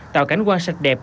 tạo cảnh quan sạch đẹp